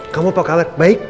kamu apa color baik